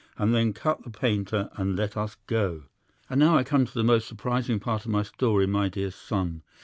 and then cut the painter and let us go. "'And now I come to the most surprising part of my story, my dear son.